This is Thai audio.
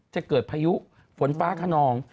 จะเกิดพายุฝนฟ้าขนอง